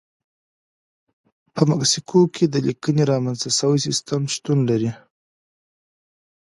په مکسیکو کې د لیکنې رامنځته شوی سیستم شتون لري.